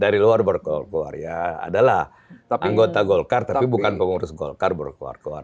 dari luar berkol keluar ya adalah anggota golkar tapi bukan pengurus golkar berkuar kuar